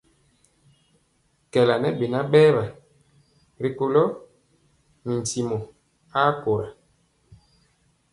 Kɛɛla ŋɛ beŋa berwa ri kula mi ntimɔ a kora.